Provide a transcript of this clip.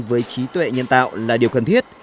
với trí tuệ nhân tạo là điều cần thiết